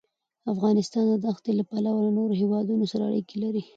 افغانستان د دښتې له پلوه له نورو هېوادونو سره اړیکې لري.